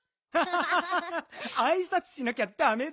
ハハハあいさつしなきゃダメだね。